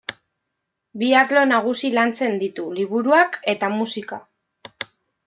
Bi arlo nagusi lantzen ditu: liburuak eta musika.